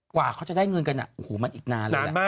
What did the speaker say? กว่าเขาจะได้เงินกันโอ้โหมันอีกนานเลยนะ